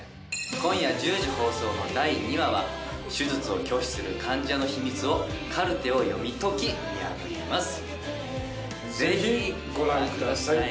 今夜１０時放送の第２話は、手術を拒否する患者の秘密を、カルテを読み解き見破ります。